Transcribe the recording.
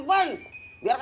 makasih ya kong